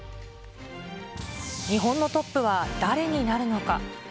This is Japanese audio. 日本のトップは誰になるのか。